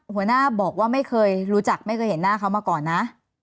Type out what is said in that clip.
หัวหน้าบอกว่าไม่เคยรู้จักไม่เคยเห็นหน้าเขามาก่อนนะ